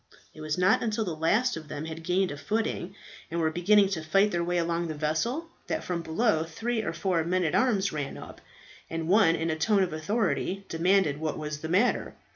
It was not until the last of them had gained a footing, and were beginning to fight their way along the vessel, that from below three or four men at arms ran up, and one in a tone of authority demanded what was the matter.